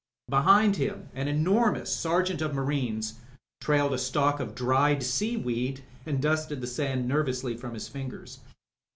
Behind him an enorfcaous Sergeant of Marines trailed a stalk of dried seaweed, ^nd dusted the sand nervously from his fingers.